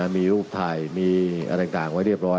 มีรูปถ่ายมีอะไรต่างไว้เรียบร้อย